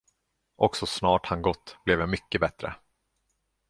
Och så snart han gått blev jag mycket bättre.